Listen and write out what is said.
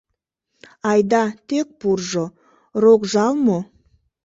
Айда, тек пуржо, рок жал мо?